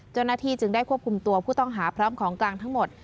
เจ้าหน้าที่จึงได้ควบคุมตัวผู้ต้องหาพร้อมของกลางทั้งหมด